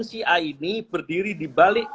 si ini berdiri di balik